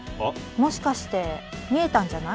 もしかして見えたんじゃない？